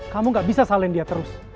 kamu gak bisa salahin dia terus